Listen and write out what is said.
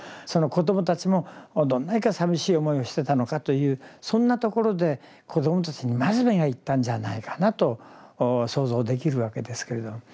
その子どもたちもどんなにかさみしい思いをしてたのかというそんなところで子どもたちにまず目が行ったんじゃないかなと想像できるわけですけれど。